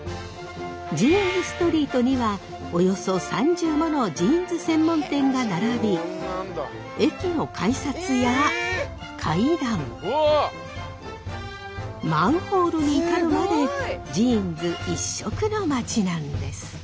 ジーンズストリートにはおよそ３０ものジーンズ専門店が並び駅の改札や階段マンホールに至るまでジーンズ一色の町なんです。